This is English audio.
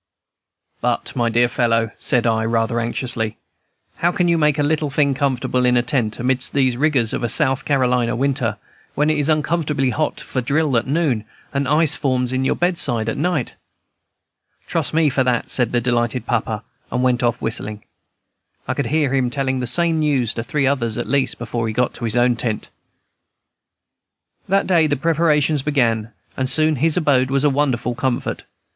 "But, my dear fellow," said I, rather anxiously, "how can you make the little thing comfortable in a tent, amidst these rigors of a South Carolina winter, when it is uncomfortably hot for drill at noon, and ice forms by your bedside at night?" "Trust me for that," said the delighted papa, and went off whistling. I could hear him telling the same news to three others, at least, before he got to his own tent. That day the preparations began, and soon his abode was a wonder of comfort.